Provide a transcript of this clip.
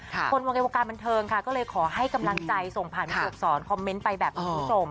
คนวงการบันเทิงค่ะก็เลยขอให้กำลังใจส่งผ่านผู้ดูกสอนคอมเมนต์ไปแบบคุณผู้ชม